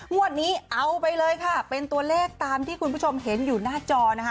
งวดนี้เอาไปเลยค่ะเป็นตัวเลขตามที่คุณผู้ชมเห็นอยู่หน้าจอนะคะ